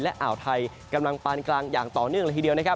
และอ่าวไทยกำลังปานกลางอย่างต่อเนื่องเลยทีเดียวนะครับ